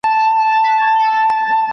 هغه څوک چي کتابونه ليکي پوهه زياتوي،